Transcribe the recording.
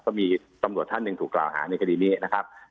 ก็มีตำรวจท่านหนึ่งถูกกล่าวหาในคดีนี้นะครับ